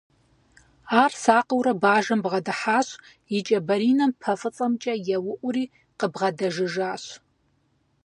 Ар сакъыурэ бажэм бгъэдыхьащ, и кӀэ баринэм пэ фӀыцӀэмкӀэ еуӀури къыбгъэдэжыжащ.